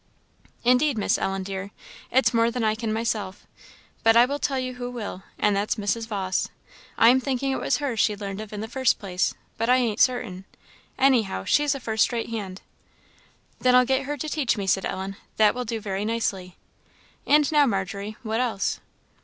"Indeed, Miss Ellen, dear, it's more than I can myself; but I will tell you who will, and that's Mrs. Vawse. I am thinking it was her she learned of in the first place, but I ain't certain. Anyhow, she's a first rate hand." "Then I'll get her to teach me," said Ellen: "that will do very nicely. And now Margery, what else?"